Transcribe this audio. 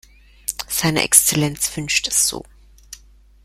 Seine Exzellenz wünscht es so.